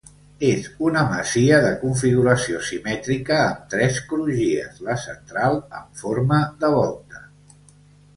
És una masia de configuració simètrica amb tres crugies, la central amb forma de volta.